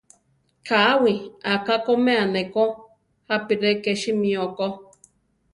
Káwi aká koʼmea neko, jápi re ké simió ko.